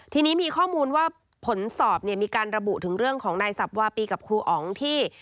ทีนี้มีข้อมูลว่าผลสอบเนี่ยมีการระบุถึงเรื่องของนายสับวาปีกับครูอ๋องที่